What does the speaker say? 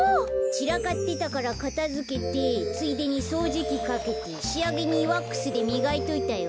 ちらかってたからかたづけてついでにそうじきかけてしあげにワックスでみがいといたよ。